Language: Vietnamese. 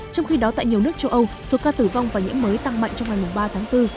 trong khi đó tại nhiều nước châu âu số ca tử vong và nhiễm mới tăng mạnh trong ngày ba tháng bốn